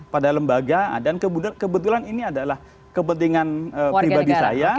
pada lembaga dan kebetulan ini adalah kepentingan pribadi saya